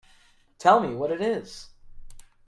Tell me what it is.